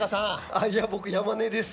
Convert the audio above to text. あいや僕山根です。